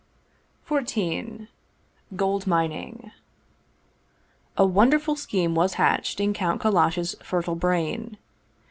XIV GOLD MINING A WONDERFUL scheme was hatched in Count Kallash's fertile brain.